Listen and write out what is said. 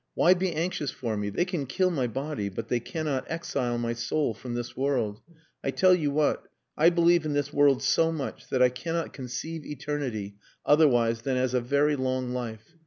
"Why be anxious for me? They can kill my body, but they cannot exile my soul from this world. I tell you what I believe in this world so much that I cannot conceive eternity otherwise than as a very long life.